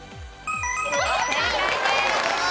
正解です。